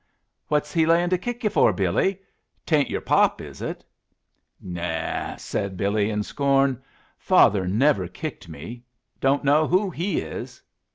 "What's he layin' to kick you for, Billy? 'Tain't yer pop, is it?" "New!" said Billy, in scorn. "Father never kicked me. Don't know who he is."